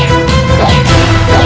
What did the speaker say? jangan lupa untuk berlangganan